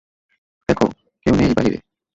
দেখ, কেউই নেই বাহিরে!